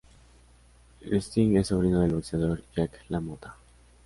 Lustig es sobrino del boxeador Jake LaMotta.